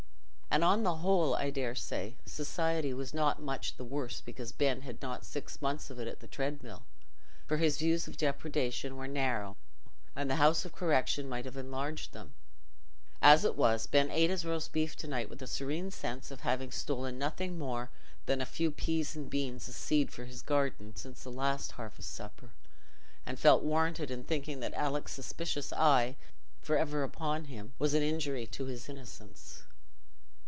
And on the whole, I daresay, society was not much the worse because Ben had not six months of it at the treadmill, for his views of depredation were narrow, and the House of Correction might have enlarged them. As it was, Ben ate his roast beef to night with a serene sense of having stolen nothing more than a few peas and beans as seed for his garden since the last harvest supper, and felt warranted in thinking that Alick's suspicious eye, for ever upon him, was an injury to his innocence.